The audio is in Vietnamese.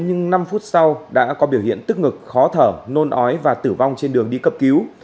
nhưng năm phút sau đã có biểu hiện tức ngực khó thở nôn ói và tử vong trên đường đi cấp cứu